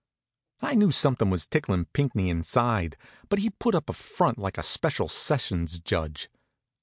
I knew somethin' was ticklin' Pinckney inside; but he put up a front like a Special Sessions judge.